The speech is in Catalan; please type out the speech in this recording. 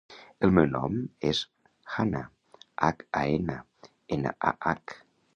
El meu nom és Hannah: hac, a, ena, ena, a, hac.